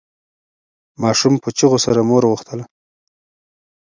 ماشوم په چیغو سره مور غوښتله.